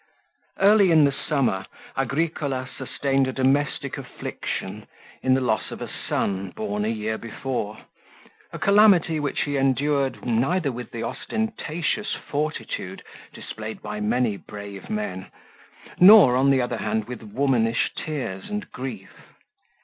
29 Early in the summer Agricola sustained a domestic affliction in the loss of a son born a year before, a calamity which he endured, neither with the ostentatious fortitude displayed by many brave men, nor, on the other hand, with womanish tears and grief.